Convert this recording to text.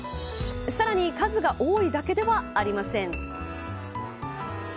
さらに数が多いだけではありません。